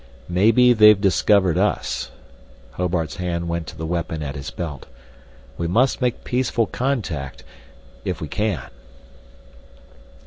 "Maybe they've discovered us." Hobart's hand went to the weapon at his belt. "We must make peaceful contact if we can."